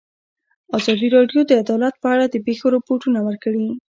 ازادي راډیو د عدالت په اړه د پېښو رپوټونه ورکړي.